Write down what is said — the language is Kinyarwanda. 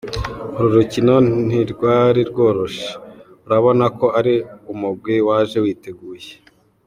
Uru rukino ntirwari rworoshe, urabona ko ari umugwi waje witeguye.